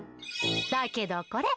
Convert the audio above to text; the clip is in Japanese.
だけどこれ。